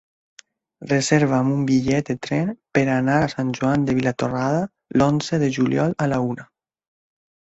Reserva'm un bitllet de tren per anar a Sant Joan de Vilatorrada l'onze de juliol a la una.